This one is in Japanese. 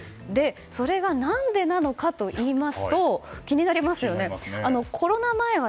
それが何でなのかといいますと気になりますよね。